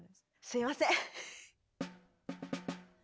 すいません。